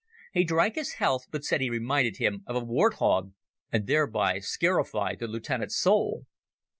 He drank his health, but said he reminded him of a wart hog, and thereby scarified the lieutenant's soul.